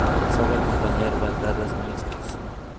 Sabe acompañar bandadas mixtas.